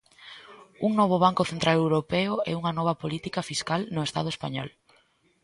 Un novo Banco Central Europeo e unha nova política fiscal no Estado español.